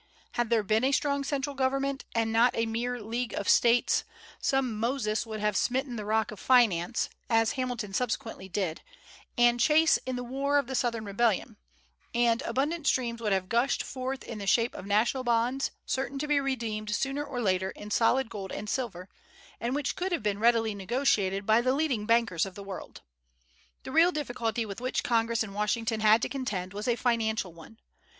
Had there been a strong central government, and not a mere league of States, some Moses would have "smitten the rock of finance," as Hamilton subsequently did, and Chase in the war of the Southern Rebellion, and abundant streams would have gushed forth in the shape of national bonds, certain to be redeemed, sooner or later, in solid gold and silver, and which could have been readily negotiated by the leading bankers of the world. The real difficulty with which Congress and Washington had to contend was a financial one.